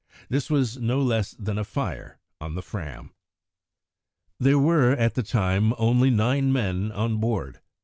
This was no less than a fire on the Fram. There were, at the time, only nine men on board.